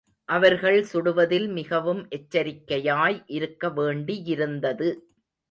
அவர்கள் சுடுவதில் மிகவும் எச்சரிக்கையாய் இருக்க வேண்டியிருந்தது.